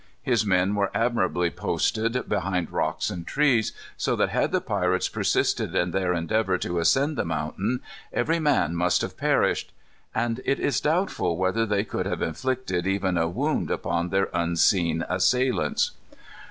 His men were admirably posted behind rocks and trees, so that had the pirates persisted in their endeavor to ascend the mountain, every man must have perished. And it is doubtful whether they could have inflicted even a wound upon their unseen assailants.